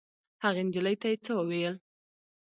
هغې نجلۍ ته یې څه وویل.